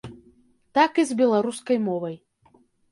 Так і з беларускай мовай.